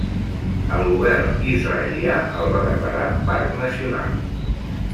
El govern israelià el va declarar parc nacional.